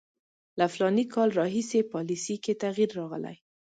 له فلاني کال راهیسې پالیسي کې تغییر راغلی.